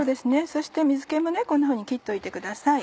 そして水気もこんなふうに切っておいてください。